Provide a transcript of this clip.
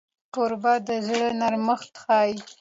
کوربه د زړه نرمښت ښيي.